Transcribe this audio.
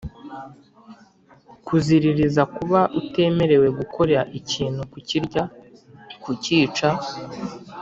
Kuziririza kuba utemerewe gukora ikintu kukirya kukica